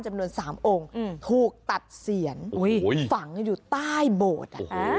จำนวน๓องค์ถูกตัดเสียนฝังอยู่ใต้โบสถ์